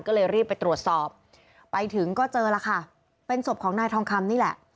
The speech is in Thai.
ก็เลยรีบไปตรวจสอบไปถึงก็เจอแล้วค่ะเป็นศพของนายทองคำนี่แหละ